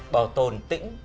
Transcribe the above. bảo tồn tĩnh